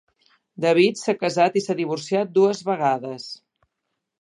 Davis s'ha casat i s'ha divorciat dues vegades.